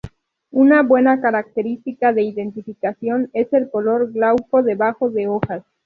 Una buena característica de identificación es el color glauco debajo de hojas.